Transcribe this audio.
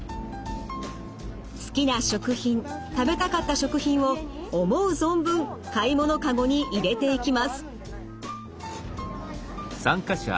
好きな食品食べたかった食品を思う存分買い物かごに入れていきます。